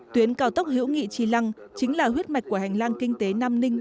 tuyến cao tốc hữu nghị tri lăng chính là huyết mạch của hành lang kinh tế nam ninh